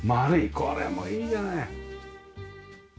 これもいいじゃない。